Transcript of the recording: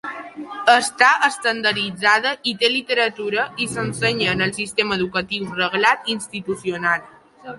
Està estandarditzada i té literatura i s'ensenya en el sistema educatiu reglat institucional.